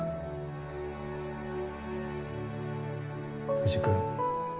藤君。